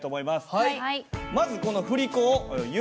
はい。